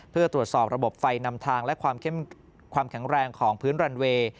เพื่อตรวจสอบระบบไฟนำทางและความแข็งแรงของพื้นรันเวย์